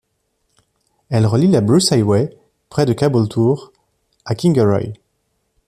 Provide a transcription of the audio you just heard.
Elle relie la Bruce Highway, près de Caboolture à Kingaroy.